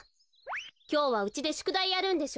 きょうはうちでしゅくだいやるんでしょ。